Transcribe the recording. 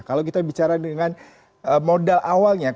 kalau kita bicara dengan modal awalnya